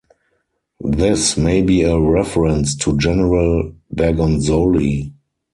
This may be a reference to General Bergonzoli.